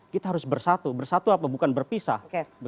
kita harus bersatu bersatu apa bukan berpisah